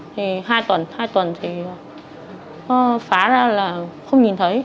thì hai tuần hai tuần thì nó phá ra là không nhìn thấy